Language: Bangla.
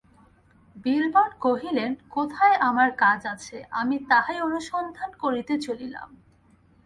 বিল্বন কহিলেন, কোথায় আমার কাজ আছে আমি তাহাই অনুসন্ধান করিতে চলিলাম।